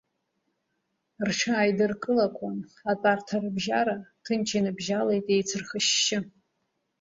Рҽааидыркылақәан, атәарҭа рыбжьара ҭынч иныбжьалеит еицырхашьшьы.